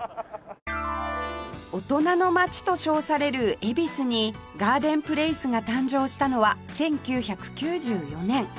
大人の街と称される恵比寿にガーデンプレイスが誕生したのは１９９４年